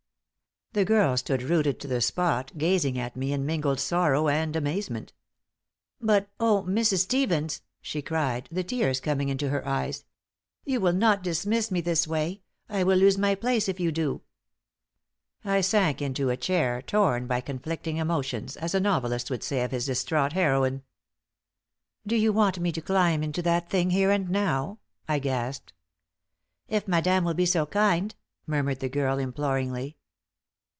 The girl stood rooted to the spot, gazing at me in mingled sorrow and amazement. "But oh, Mrs. Stevens," she cried, the tears coming into her eyes, "you will not dismiss me this way? I will lose my place if you do!" I sank into a chair, torn by conflicting emotions, as a novelist would say of his distraught heroine. "Do you want me to climb into that thing, here and now?" I gasped. "If madame will be so kind," murmured the girl, imploringly.